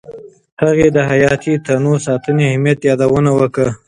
هغې د حیاتي تنوع ساتنې اهمیت یادونه وکړه.